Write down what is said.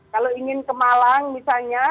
kalau ingin kemalang misalnya